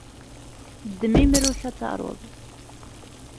Ddem imru-k ad taruḍ.